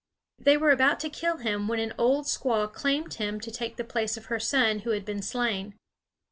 They were about to kill him when an old squaw claimed him to take the place of her son who had been slain.